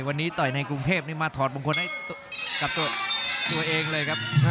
วันนี้ต่อยในกรุงเทพนี่มาถอดมงคลให้กับตัวเองเลยครับ